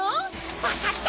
わかった！